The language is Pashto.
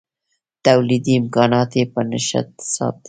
تولیدي امکانات یې په نشت حساب دي.